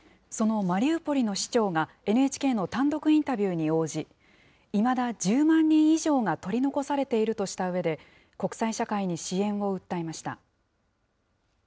そのマリウポリの市長がＮＨＫの単独インタビューに応じ、いまだ１０万人以上が取り残されているとしたうえで、国際社会に支援を訴えました。